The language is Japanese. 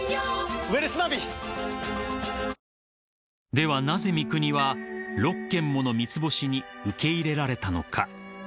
［ではなぜ三國は６軒もの三つ星に受け入れられたのか］